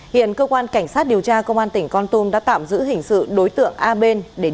hiện cơ quan cảnh sát điều tra công an tỉnh con tum đã tạm giữ hình sự đối tượng a bên